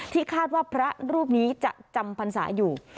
คาดว่าพระรูปนี้จะจำพรรษาอยู่